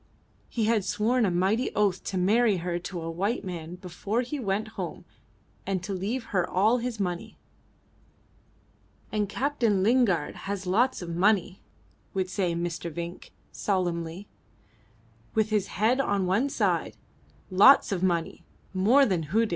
He had sworn a mighty oath to marry her to a white man before he went home and to leave her all his money. "And Captain Lingard has lots of money," would say Mr. Vinck solemnly, with his head on one side, "lots of money; more than Hudig!"